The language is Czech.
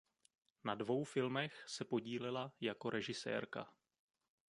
Na dvou filmech se podílela jako režisérka.